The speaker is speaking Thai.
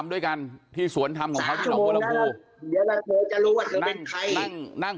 ทำด้วยกันที่สวนทำของเขาที่หนองบัวลังภูมิเดี๋ยวละเธอจะรู้ว่าเธอเป็นใคร